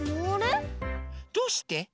どうして？